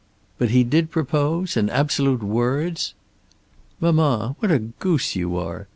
"But he did propose, in absolute words?" "Mamma, what a goose you are!